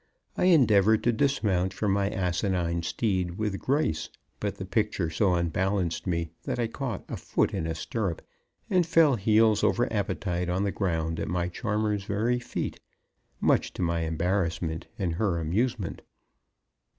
I endeavored to dismount from my asinine steed with grace, but the picture so unbalanced me that I caught a foot in a stirrup and fell heels over appetite on the ground at my charmer's very feet, much to my embarrassment and her amusement.